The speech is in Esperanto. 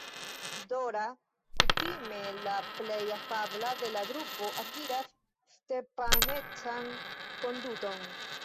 Dora, kutime la plej afabla de la grupo, akiras Stepan-ecan konduton.